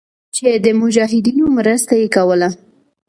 چې د مجاهدينو مرسته ئې کوله.